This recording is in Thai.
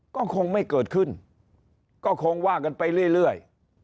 ก็คงไม่เกิดขึ้นก็คงว่ากันไปเรื่อย